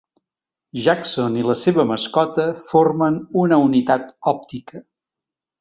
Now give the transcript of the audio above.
Jackson i la seva mascota formen una unitat òptica.